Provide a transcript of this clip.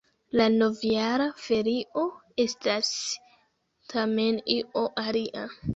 La novjara ferio estas tamen io alia.